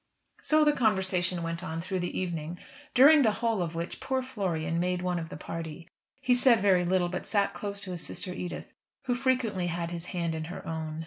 So the conversation went on through the evening, during the whole of which poor Florian made one of the party. He said very little, but sat close to his sister Edith, who frequently had his hand in her own.